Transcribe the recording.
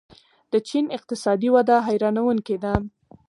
د چین اقتصادي وده حیرانوونکې ده.